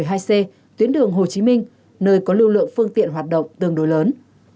một mươi hai a một mươi hai c tuyến đường hồ chí minh nơi có lưu lượng phương tiện hoạt động tương đối lớn